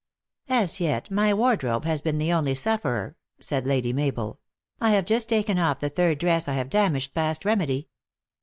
u As yet my wardrobe has been the only sufferer," said Lady Mabel. "I have just taken off the third dress I have damaged past remedy."